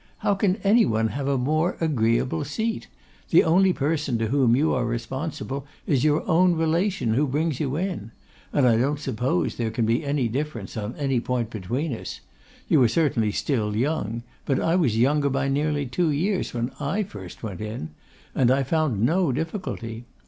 How can any one have a more agreeable seat? The only person to whom you are responsible is your own relation, who brings you in. And I don't suppose there can be any difference on any point between us. You are certainly still young; but I was younger by nearly two years when I first went in; and I found no difficulty.